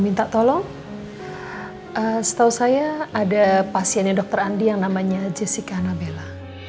minta tolong setahu saya ada pasiennya dr andi yang namanya jessica nabella